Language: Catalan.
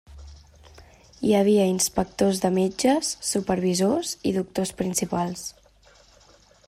Hi havia inspectors de metges, supervisors i doctors principals.